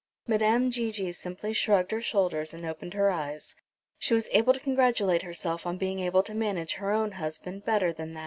Madame Gigi simply shrugged her shoulders, and opened her eyes. She was able to congratulate herself on being able to manage her own husband better than that.